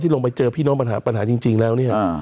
ที่ลงไปเจอพี่น้องปัญหาจริงแล้ว